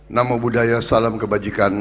namo buddhaya salam kebajikan